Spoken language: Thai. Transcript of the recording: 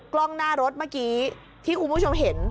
กล้องหน้ารถเมื่อกี้ที่คุณผู้ชมเห็น